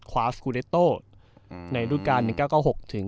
คว้าสกูเล็ตโตอืมในรูปการณ์หนึ่งเก้าเก้าหกถึง